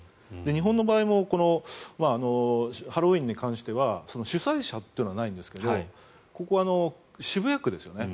日本の場合もハロウィーンに関しては主催者というのはないんですがここは渋谷区ですよね。